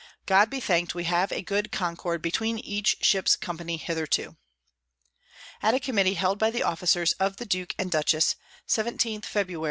God be thank'd we have a good Concord between each Ships Company hitherto. At a Committee held by the Officers of the Duke and Duchess, 17 Febr.